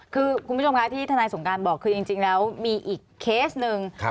คือคุณผู้ชมคะที่ทนายสงการบอกคือจริงแล้วมีอีกเคสหนึ่ง